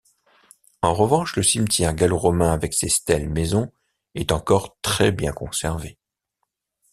En revanche, le cimetière gallo-romain avec ses stèles-maisons est encore très bien conservé.